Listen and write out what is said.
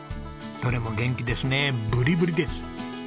どれも元気ですねぶりぶりです！